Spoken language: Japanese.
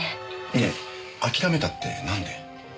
ねえ諦めたってなんで？